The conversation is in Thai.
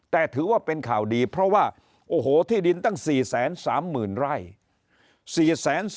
แต่ถือว่าเป็นข่าวดีเพราะว่าโอ้โหที่ดินตั้ง๔๓๐๐๐ไร่